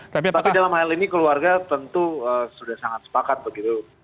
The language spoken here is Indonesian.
tapi dalam hal ini keluarga tentu sudah sangat sepakat begitu